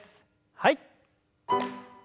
はい。